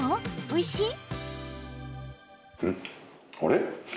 おいしい？